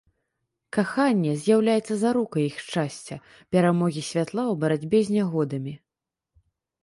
Каханне з'яўляецца зарукай іх шчасця, перамогі святла ў барацьбе з нягодамі.